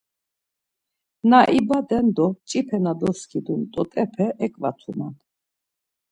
Na ibaden do mç̌ipe na doskidun t̆ot̆epe eǩvatuman.